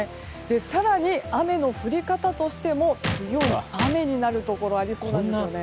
更に、雨の降り方としても強い雨になるところがありそうなんですね。